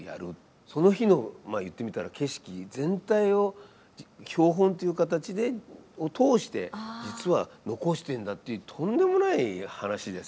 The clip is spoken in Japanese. その日のまあ言ってみたら景色全体を標本という形でを通して実は残してんだってとんでもない話ですね。